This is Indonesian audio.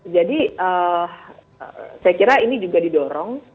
jadi saya kira ini juga didorong